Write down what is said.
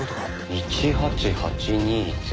「１８８２０」？